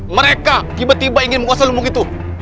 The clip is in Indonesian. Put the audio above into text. mereka tiba tiba ingin menguasai lubung itu